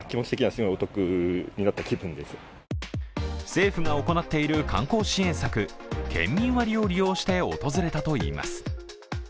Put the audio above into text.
政府が行っている観光支援策県民割を利用して訪れたといいます。